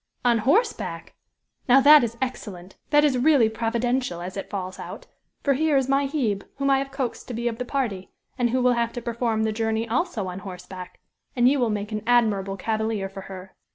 "On horseback! Now that is excellent that is really providential, as it falls out for here is my Hebe, whom I have coaxed to be of the party, and who will have to perform the journey also on horseback, and you will make an admirable cavalier for her!"